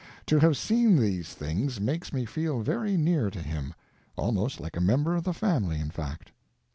To have seen these things makes me feel very near to him, almost like a member of the family, in fact.